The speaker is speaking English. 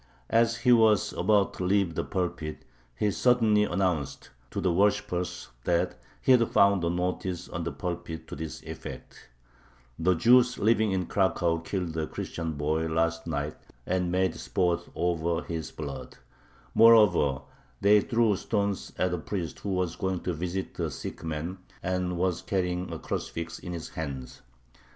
As he was about to leave the pulpit, he suddenly announced to the worshipers that he had found a notice on the pulpit to this effect: "The Jews living in Cracow killed a Christian boy last night, and made sport over his blood; moreover, they threw stones at a priest who was going to visit a sick man, and was carrying a crucifix in his hands."